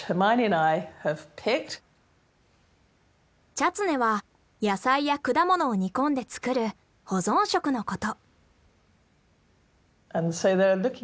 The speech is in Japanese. チャツネは野菜や果物を煮込んで作る保存食のこと。